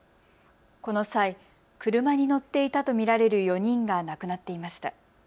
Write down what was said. この際、車に乗っていたと見られる４人が亡くなっていました。